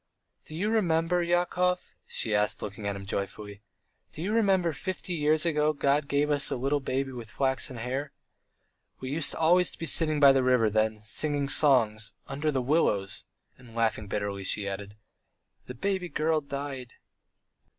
"Do you remember, Yakov," she asked, looking at him joyfully. "Do you remember fifty years ago God gave us a little baby with flaxen hair? We used always to be sitting by the river then, singing songs ... under the willows," and laughing bitterly, she added: "The baby girl died."